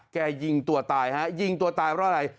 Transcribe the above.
แกยิงตัวตายเพราะอะไร